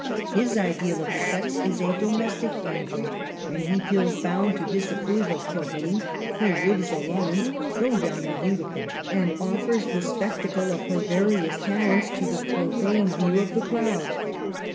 His ideal of the sex is a domestic angel, and he feels bound to disapprove of Corinne, who lives alone, though young and beautiful, and offers the spectacle of her various taleftts to the profane view of the crowd.